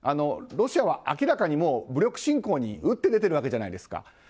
ロシアは明らかに武力侵攻に打って出てるわけじゃないですか。